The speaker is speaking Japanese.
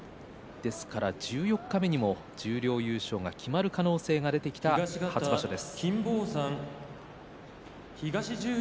ですから十四日目にも十両優勝が決まる可能性が出てきた初場所です。